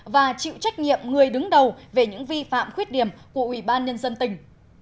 và chịu trách nhiệm người đứng đầu về những vi phạm khuyết điểm của ủy ban nhân dân tỉnh